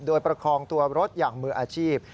โดยประคองตัวรถอย่างมืออาชีพ